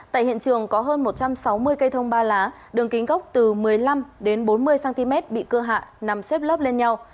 tại hiện trường có hơn một trăm sáu mươi cây thông ba lá đường kính gốc từ một mươi năm đến bốn mươi cm bị cưa hạ nằm xếp lớp lên nhau